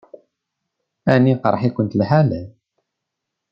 Ɛni iqṛeḥ-ikent lḥal?